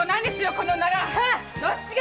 この女が！どっちが！